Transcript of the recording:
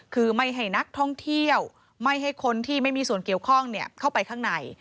คือไม่ให้นักท่องเที่ยวไม่ให้คนที่ไม่มีส่วนเกี่ยวข้องเข้าไปข้างใน